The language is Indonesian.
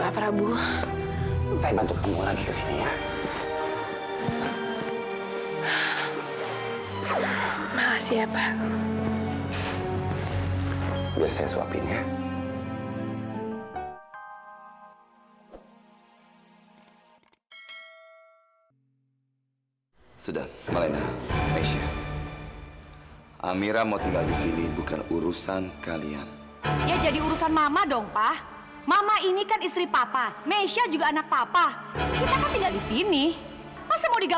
sampai jumpa di video selanjutnya